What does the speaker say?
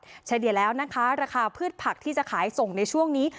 เฉลี่ยแล้วนะคะราคาพืชผักที่จะขายส่งในช่วงนี้